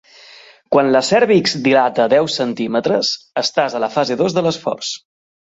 Quan la cèrvix dilata deu centímetres, estàs a la fase dos de l'esforç.